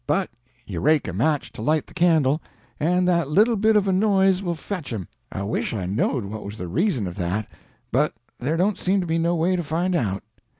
But you rake a match to light the candle, and that little bit of a noise will fetch him. I wish I knowed what was the reason of that, but there don't seem to be no way to find out.